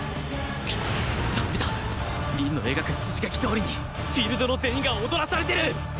くっ駄目だ凛の描く筋書きどおりにフィールドの全員が踊らされてる！